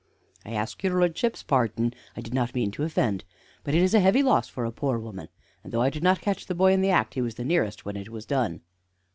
"I ask your lordship's pardon; I did not mean to offend; but it is a heavy loss for a poor woman, and though I did not catch the boy in the act, he was the nearest when it was done."